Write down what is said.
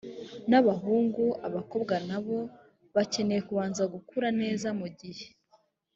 n abahungu abakobwa na bo bakeneye kubanza gukura neza mu gihe